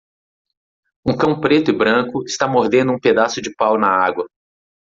Um cão preto e branco está mordendo um pedaço de pau na água